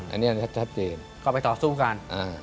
อันนี้ชัดเจนก็ไปต่อสู้กัน